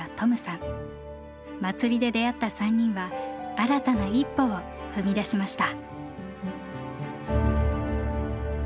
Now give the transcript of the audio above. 祭りで出会った３人は新たな一歩を踏み出しました。